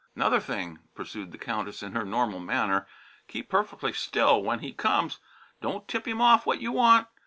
"'Nother thing," pursued the Countess in her normal manner, "keep perfec'ly still when he comes. Don't tip him off what you want.